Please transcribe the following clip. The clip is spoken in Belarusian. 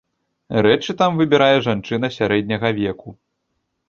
Рэчы там выбірае жанчына сярэдняга веку.